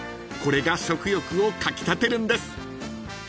［これが食欲をかき立てるんです］